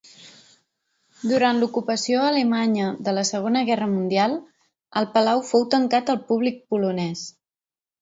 Durant l'ocupació alemanya de la Segona Guerra Mundial, el palau fou tancat al públic polonès.